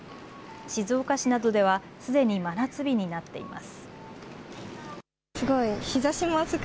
静岡市などではすでに真夏日になっています。